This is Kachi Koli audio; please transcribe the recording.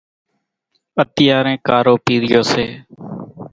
اتيارين ڪارو پِيرِيو سي۔